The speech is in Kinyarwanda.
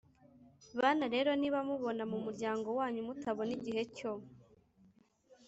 Bana rero, niba mubona mu muryango wanyu mutabona igihe cyo